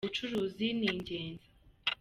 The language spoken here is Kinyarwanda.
Ubucuruzi ni ingenzi.